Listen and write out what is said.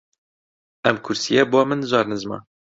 ئەم کورسییە بۆ من زۆر نزمە.